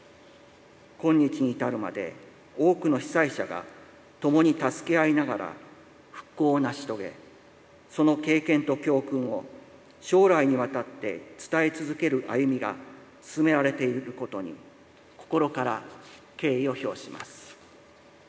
今日に至るまで、多くの被災者がともに助け合いながら復興を成し遂げその経験と教訓を将来にわたって伝え続ける歩みが進められていることに心から敬意を表します。